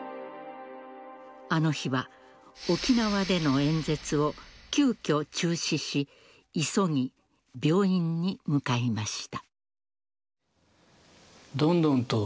あの日は沖縄での演説を急きょ中止し、急ぎ病院に向かいました。